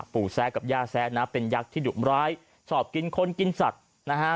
แซะกับย่าแซะนะเป็นยักษ์ที่ดุมร้ายชอบกินคนกินสัตว์นะฮะ